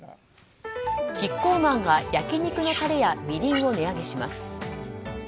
キッコーマンが焼き肉のたれやみりんを値上げします。